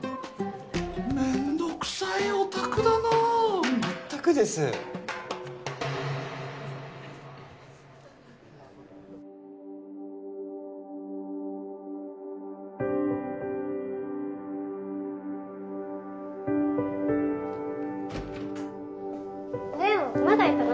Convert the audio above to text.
めんどくさいオタクだなまったくですれおまだいたの？